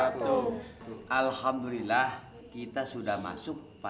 ya allah kemana tuh orangnya